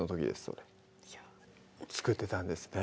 それ作ってたんですね